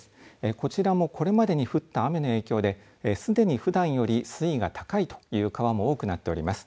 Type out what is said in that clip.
こちらもこれまでに降った雨の影響で、すでにふだんより水位が高いという川も多くなっております。